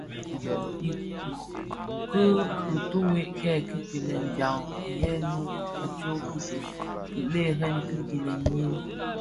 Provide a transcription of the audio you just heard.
Ki bitughe kè kikilèn ndhaň yè ňu a tsok kibèrèn ki gilèn yin,